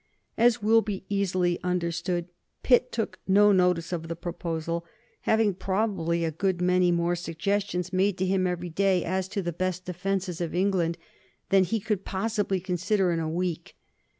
As will be easily understood, Pitt took no notice of the proposal, having probably a good many more suggestions made to him every day as to the best defences of England than he could possibly consider in a week.